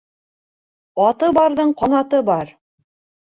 Аты барҙың ҡанаты бар.